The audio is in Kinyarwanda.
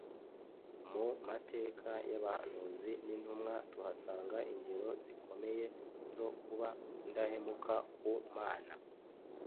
Mu mateka y’abahanuzi n’intumwa tuhasanga ingero zikomeye zo kuba indahemuka ku Mana.